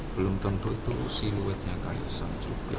belum tentu itu siluetnya kaisang juga